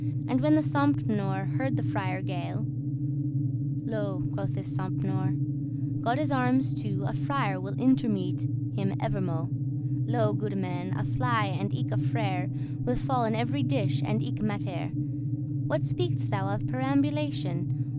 And when the Sompnour heard the Friar gale,* *speak "Lo," quoth this Sompnour, "Godde's armes two, A friar will intermete* him evermo': *interpose <33> Lo, goode men, a fly and eke a frere Will fall in ev'ry dish and eke mattere. What speak'st thou of perambulation?